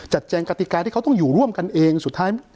แจงกติกาที่เขาต้องอยู่ร่วมกันเองสุดท้าย